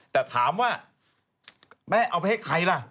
แต่ถามว่าแม่เอาไปให้ใครล่ะ